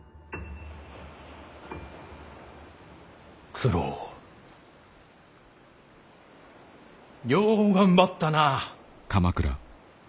九郎よう頑張ったなあ。